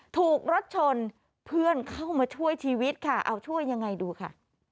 ถูกรถชนเพื่อนเข้ามาช่วยชีวิตค่ะเอาช่วยยังไงดูค่ะ